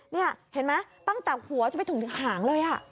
นี่เห็นไหมตั้งแต่หัวจะไปถึงหางเลย